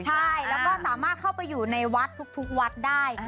ใช่แล้วก็สามารถเข้าไปอยู่ในวัดทุกวัดได้